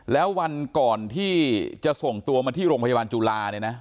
แล้ววันก่อนที่จะส่งตัวมาที่โรงพยาบาลจุฬาเนี่ยนะ